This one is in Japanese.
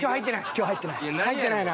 今日入ってない。